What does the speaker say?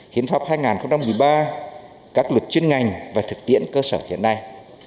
hiến pháp hai nghìn một mươi ba các luật chuyên ngành và thực tiễn cơ sở hiện nay